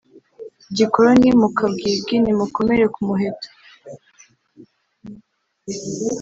gikoloni mu kabwibwi nimukomere ku muheto